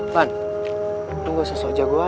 lan lu gak sosok jagoan